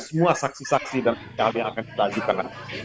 semua saksi saksi dan hal yang akan kita ajukan